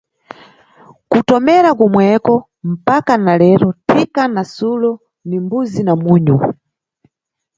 Kutomera kumweko mpaka na kero thika na sulo ndi mbuzi na munyu.